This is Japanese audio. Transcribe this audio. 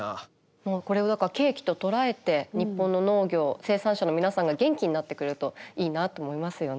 もうこれをだから契機と捉えて日本の農業生産者の皆さんが元気になってくれるといいなと思いますよね。